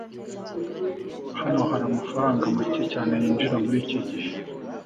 hano hari amafaranga make cyane yinjira muri iki gihe